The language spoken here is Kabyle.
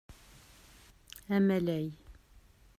Amalay.